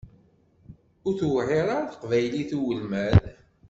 Ur tewεir ara teqbaylit i ulmad.